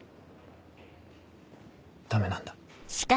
ダメなんだ。